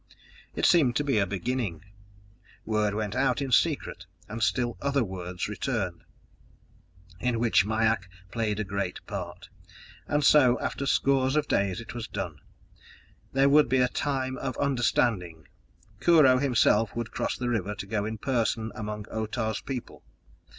It seemed to be a beginning. Word went out in secret and still other word returned, in which Mai ak played a great part. And so, after scores of days it was done: there would be a time of understanding; Kurho, himself, would cross the river to go in person among Otah's people!